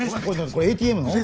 これＡＴＭの？